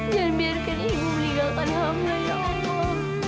dan biarkan ibu meninggalkan hamla ya allah